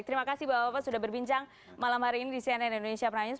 terima kasih bapak bapak sudah berbincang malam hari ini di cnn indonesia prime news